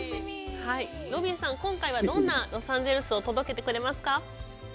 ロビーさん、今回はどんなロサンゼルスを届けてくれますか？